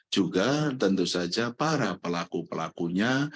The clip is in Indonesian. juga tentu saja para pelaku pelakunya